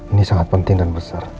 ini sangat penting dan besar